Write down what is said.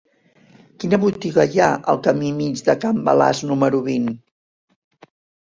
Quina botiga hi ha al camí Mig de Can Balasc número vint?